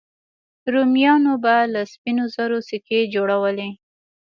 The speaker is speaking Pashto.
رومیانو به له سپینو زرو سکې جوړولې